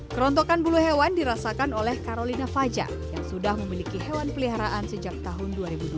kerontokan bulu hewan dirasakan oleh karolina fajar yang sudah memiliki hewan peliharaan sejak tahun dua ribu dua belas